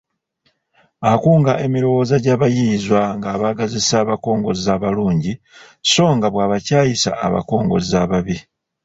Akunga emirowooza gy’abayiiyizwa ng’abaagazisa abakongozzi abalungi so nga bw’abakyayisa abakongozzi ababi.